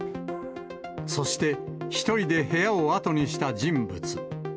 そして、１人で部屋を後にした人物。